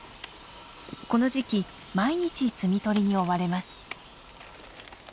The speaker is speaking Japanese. この時期毎日摘み取りに追われます。